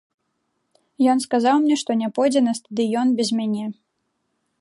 Ён сказаў мне, што не пойдзе на стадыён без мяне.